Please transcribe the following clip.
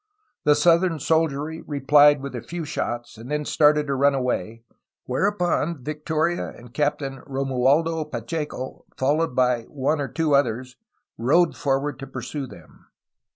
The southern soldiery replied with a few shots, and then started to run away, whereupon Victoria and Captain Ro mualdo Pacheco, followed by one or two others, rode for ward to pursue them.